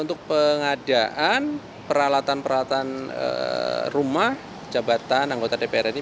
untuk pengadaan peralatan peralatan rumah jabatan anggota dpr ini